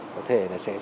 có thể là sẽ